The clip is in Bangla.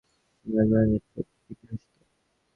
সে মাঝে মাঝে ঠোঁট টিপে হাসছে।